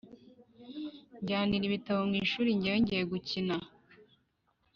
- njyanira ibitabo mu ishuri gewe ngiye gukina.